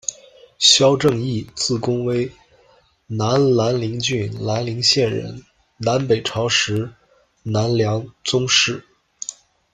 萧正义，字公威，南兰陵郡兰陵县人，南北朝时南梁宗室。